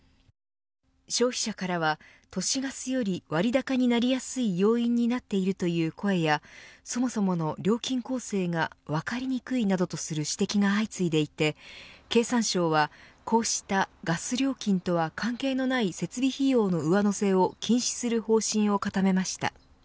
消費者からは、都市ガスより割高になりやすい要因になっているという声やそもそもの料金構成が分かりにくいなどとする指摘が相次いでいて経産省は、こうしたガス料金とは関係のない設備費用の上乗せを禁止する方針を固めました。